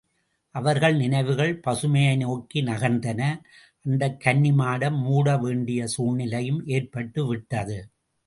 அவர்கள் நினைவுகள் பசுமையை நோக்கி நகர்ந்தன அந்தக் கன்னிமாடம் மூட வேண்டிய சூழ்நிலையும் ஏற்பட்டுவிட்டது.